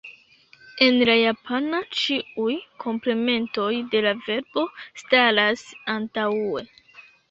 En la japana ĉiuj komplementoj de la verbo staras antaŭe.